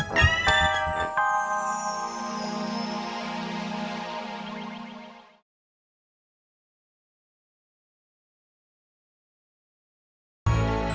jadi agak inget kalau kamu mainea